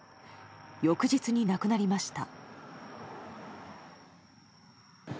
翌日に亡くなりました。